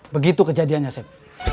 begitu kejadiannya seb